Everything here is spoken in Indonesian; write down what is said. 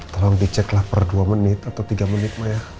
tolong diceklah per dua menit atau tiga menit maya